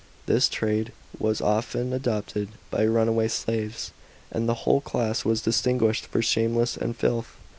This trade was often adopted by runaway slaves, and the whole class was dis tinguished for shamelessness and filth.